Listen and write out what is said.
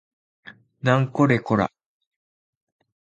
なんこれこら